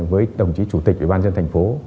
với đồng chí chủ tịch ủy ban dân thành phố